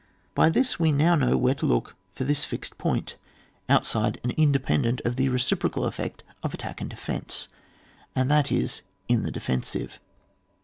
By this we now know where to look for this fixed point, outside and inde pendent of the reciprocal effect of attack and defence, and that it is in the defen sive.